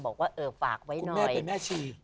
บอกว่าเออฝากไว้หน่อยแม่เป็นแม่ชี